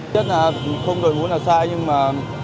chắc là không đội mũ là sai nhưng mà